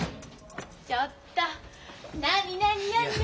ちょっと何何何何？